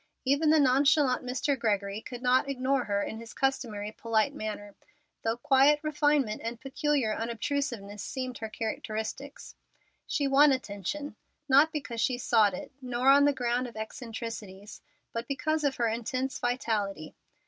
Even the nonchalant Mr. Gregory could not ignore her in his customary polite manner, though quiet refinement and peculiar unobtrusiveness seemed her characteristics. She won attention, not because she sought it, nor on the ground of eccentricities, but because of her intense vitality.